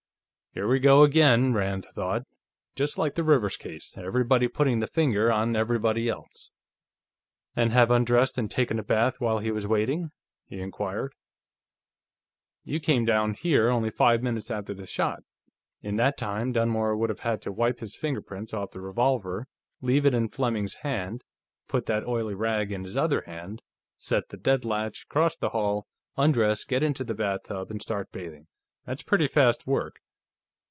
Here we go again! Rand thought. Just like the Rivers case; everybody putting the finger on everybody else.... "And have undressed and taken a bath, while he was waiting?" he inquired. "You came down here only five minutes after the shot. In that time, Dunmore would have had to wipe his fingerprints off the revolver, leave it in Fleming's hand, put that oily rag in his other hand, set the deadlatch, cross the hall, undress, get into the bathtub and start bathing. That's pretty fast work."